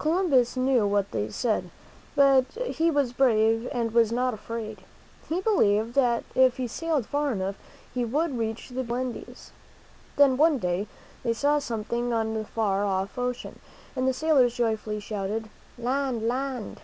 Columbus knew what they said, but he was brave and was not afraid. He believed that if he sailed far enough he would reach the beautiful Indies. Then, one day, they saw something on the far off ocean, and the sailors joyfully shouted, Land! Land!